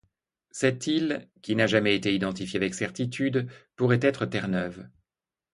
Cette île, qui n'a jamais été identifiée avec certitude, pourrait être Terre-Neuve.